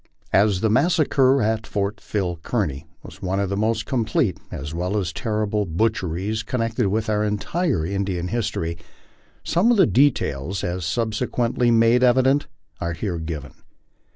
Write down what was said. As the massacre at Fort Phil Kearny was one of the most complete as well as terrible butcheries con nected with our entire Indian history, some of the details, as subsequently made evident, are here given.